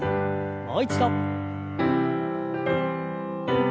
もう一度。